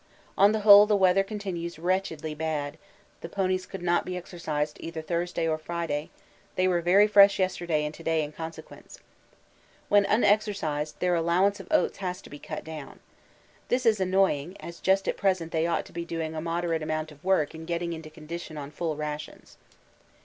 On the whole the weather continues wretchedly bad; the ponies could not be exercised either on Thursday or Friday; they were very fresh yesterday and to day in consequence. When unexercised, their allowance of oats has to be cut down. This is annoying, as just at present they ought to be doing a moderate amount of work and getting into condition on full rations.